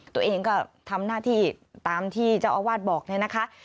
ตัวเองก็ทำหน้าที่ตามที่เจ้าอาวาสบอกเนี่ยนะคะ